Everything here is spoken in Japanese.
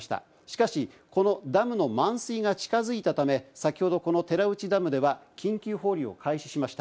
しかし、このダムの満水が近づいたため、先ほどこの寺内ダムでは緊急放流を開始しました。